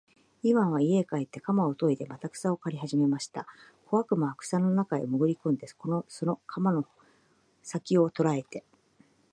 イワンは家へ帰って鎌をといでまた草を刈りはじめました。小悪魔は草の中へもぐり込んで、その鎌の先きを捉えて、